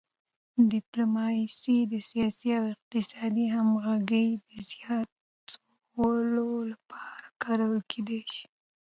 ډیپلوماسي د سیاسي او اقتصادي همغږۍ زیاتولو لپاره کارول کیدی شي